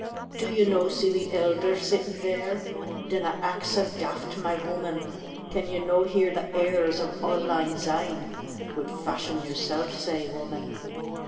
"Do ye no see the elder sitting there? Dinna act sae daft, my wooman. Can ye no hear the airs o' auld lang syne Wi'oot fashin' yersel' sae, wooman?"